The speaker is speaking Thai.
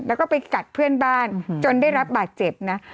แล้วก็ไปกัดเพื่อนบ้านจนได้รับบาดเจ็บนะ